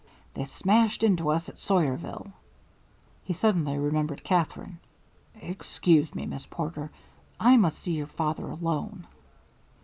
"They smashed into us at Sawyerville" he suddenly remembered Katherine "Excuse me, Miss Porter, I must see your father alone."